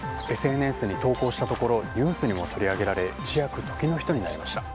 ＳＮＳに投稿したところニュースにも取り上げられ一躍、時の人になりました。